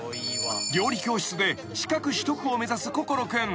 ［料理教室で資格取得を目指す心君］